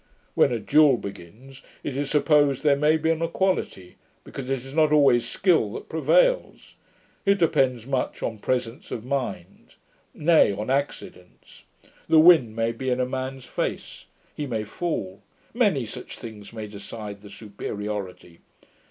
When a duel begins, it is supposed there may be an equality; because it is not always skill that prevails. It depends much on presence of mind; nay on accidents. The wind may be in a man's face. He may fall. Many such things may decide the superiority.